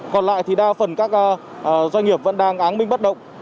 còn lại thì đa phần các doanh nghiệp vẫn đang án minh bất động